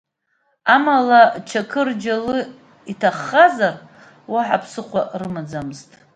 Амала Чақырџьалы иҭаххазар, уаҳа ԥсыхәа рымаӡамызт.